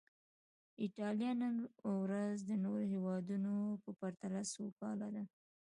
ایټالیا نن ورځ د نورو هېوادونو په پرتله سوکاله ده.